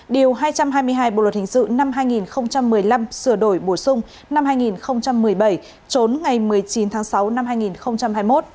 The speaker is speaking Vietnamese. điều hai trăm hai mươi hai bộ luật hình sự năm hai nghìn một mươi năm sửa đổi bổ sung năm hai nghìn một mươi bảy trốn ngày một mươi chín tháng sáu năm hai nghìn hai mươi một